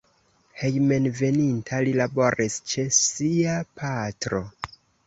Hejmenveninta li laboris ĉe sia patro.